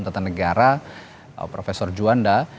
tata negara profesor juanda